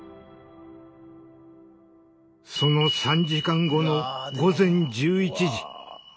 その３時間後の午前１１時。